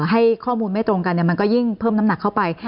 ให้ข้อมูลไม่ตรงกันมันก็ยิ่งเพิ่มน้ำหนักเข้าไป